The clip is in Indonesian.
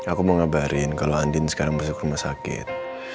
aku mau ngabarin kalau andin sekarang masuk rumah sakit